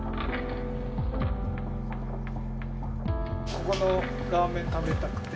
ここのラーメン食べたくて。